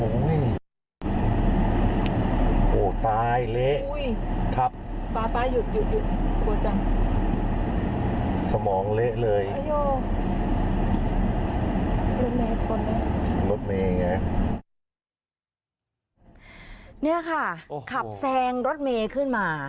นี่ค่ะขับแซงรถเมย์ขึ้นมา